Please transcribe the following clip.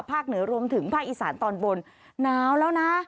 เหนือรวมถึงภาคอีสานตอนบนหนาวแล้วนะ